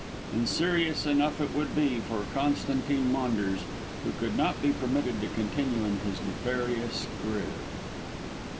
And serious enough it would be for Constantine Maunders, who could not be permitted to continue in his nefarious career.